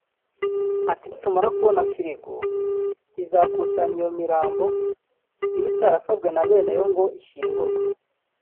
Ati “Nitumara kubona firigo izakusanya iyo mirambo iba itasabwe na beneyo ngo ishyingurwe